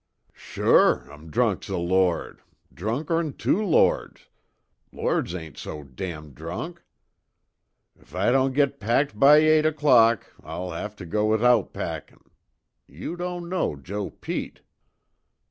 "Sure, I'm drunk's a lord drunker'n two lords lords ain't so damn' drunk. If I don't get packed by eight 'clock I'll have to go wishout packin'. You don' know Joe Pete."